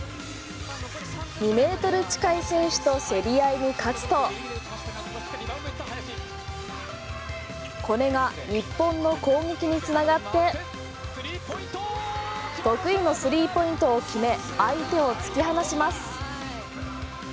２ｍ近い選手との競り合いに勝つとこれが日本の攻撃に繋がって得意の３ポイントを決め相手を突き放します。